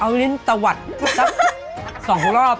เอาลิ้นตะวัดสัก๒รอบ